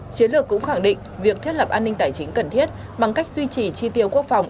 chiến lược cũng khẳng định việc thiết lập an ninh tài chính cần thiết bằng cách duy trì chi tiêu quốc phòng